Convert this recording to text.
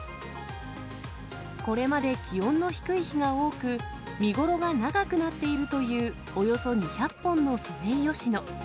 これまで気温の低い日が多く、見頃が長くなっているというおよそ２００本のソメイヨシノ。